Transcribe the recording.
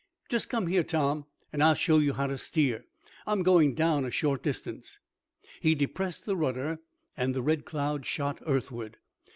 Just come here, Tom, and I'll show you how to steer. I'm going down a short distance." He depressed the rudder, and the Red Cloud shot earthward.